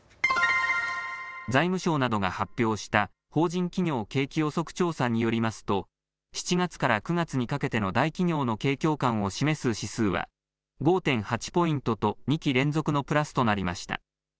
財務省などが発表した法人企業景気予測調査によりますと７月から９月にかけての大企業の景況感を示す指数は５．８ポイントと２期連続のプラスとなりました。